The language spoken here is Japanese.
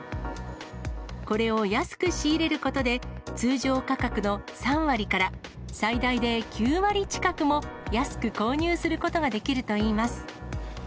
これを安く仕入れることで、通常価格の３割から最大で９割近くも安く購入することができるといいます。